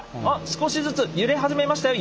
少しずつ揺れ始めましたよ